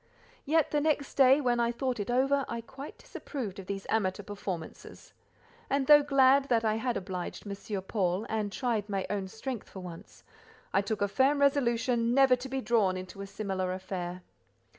Yet the next day, when I thought it over, I quite disapproved of these amateur performances; and though glad that I had obliged M. Paul, and tried my own strength for once, I took a firm resolution, never to be drawn into a similar affair.